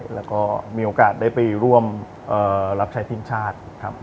แล้วก็มีโอกาสได้ไปร่วมรับใช้ทีมชาติครับ